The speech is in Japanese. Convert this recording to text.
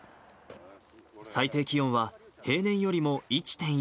最低気温は平年よりも１．